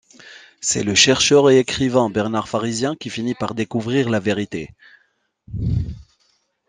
C'est le chercheur et écrivain Bernard Pharisien qui finit par découvrir la vérité.